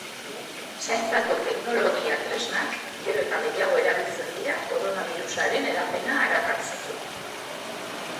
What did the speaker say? Zaintzako teknologia-tresnak gero eta gehiago erabiltzen dira koronabirusaren hedapena arakatzeko.